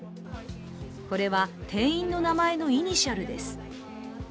これは、店員の名前のイニシャルです。